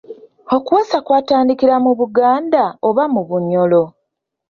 Okuweesa kwatandikira mu Buganda oba Bunyoro?